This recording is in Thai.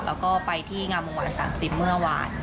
แล้วก็ไปที่งามวงวาน๓๐เมื่อวาน